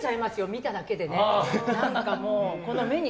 見ただけで。